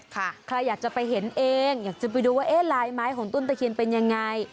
ใครอยากจะไปเห็นเองอยากจะไปดูว่าเอ๊ะลายไม้ของต้นตะเคียนเป็นยังไง